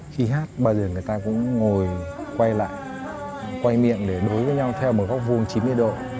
khi hát bao giờ người ta cũng ngồi quay lại quay miệng để đối với nhau theo một góc vuông chín mươi độ